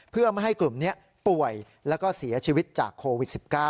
เพื่อไม่ให้กลุ่มนี้ป่วยแล้วก็เสียชีวิตจากโควิด๑๙